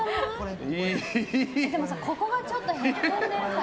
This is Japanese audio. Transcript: ここがちょっとへこんでるから。